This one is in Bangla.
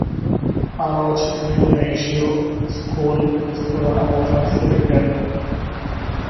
আরও আছে বিভিন্ন এশীয় স্কুল, রেস্তোরা, ও সাংস্কৃতিক কেন্দ্র।